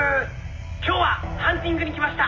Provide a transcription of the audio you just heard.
「今日はハンティングに来ました。